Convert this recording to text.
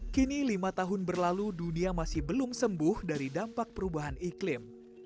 kini lima tahun berlalu dunia masih belum sembuh dari dampak perubahan iklim